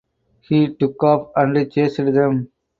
He took off and chased them.